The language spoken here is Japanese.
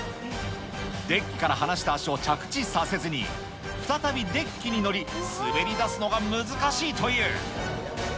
デッキから離した足を着地させずに、再びデッキに乗り、滑りだすのが難しいという。